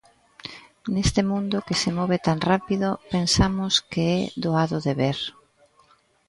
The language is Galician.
Neste mundo que se move tan rápido, pensamos que é doado de ver.